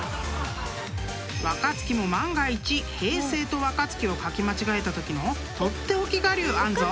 ［若槻も万が一「平成」と「若槻」を書き間違えたときの取って置き我流あんぞ］